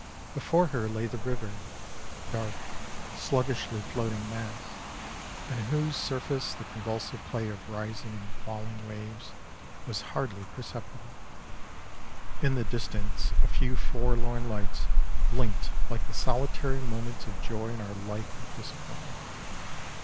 Before her lay the river, a dark, sluggishly floating mass, on whose surface the con vulsive play of rising and falling waves was hardly percep tible. In the distance a few forlorn lights blinked like the solitary moments of joy in our life of disappointment.